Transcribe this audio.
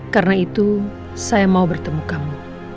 karena itu saya mau bertemu kamu